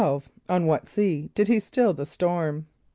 = On what sea did he still the storm?